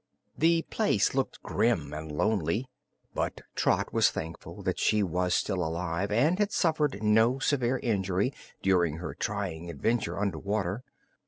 The place looked grim and lonely, but Trot was thankful that she was still alive and had suffered no severe injury during her trying adventure under water.